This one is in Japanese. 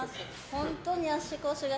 本当に足腰が。